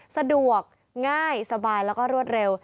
สะดวกง่ายสบายแล้วก็รวดเร็ว